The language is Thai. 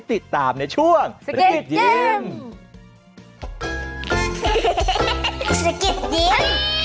ติดตามช่วงสกิดยิ้ม